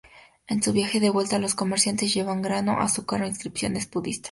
En su viaje de vuelta, los comerciantes llevaban grano, azúcar o inscripciones budistas.